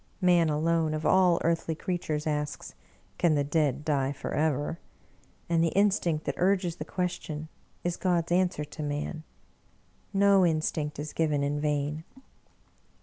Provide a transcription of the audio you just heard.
Man alone, of all earthly creatures, asks, " Can the dead die forever ?" and the instinct that urges the question is God's answer to man. No instinct is given in vain.